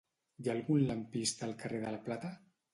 Hi ha algun lampista al carrer de la Plata?